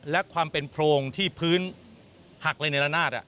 และความเป็นโพรงที่พื้นหักเลยในละนาด